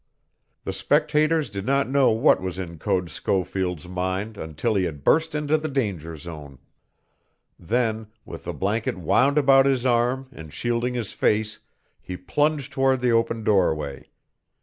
The spectators did not know what was in Code Schofield's mind until he had burst into the danger zone. Then, with the blanket wound about his arm and shielding his face he plunged toward the open doorway.